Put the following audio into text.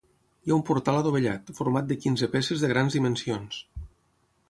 Hi ha un portal adovellat, format de quinze peces de grans dimensions.